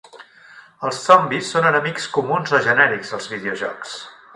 Els zombis són enemics comuns o genèrics als videojocs.